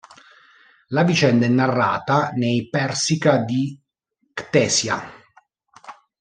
La vicenda è narrata nei "Persica" di Ctesia.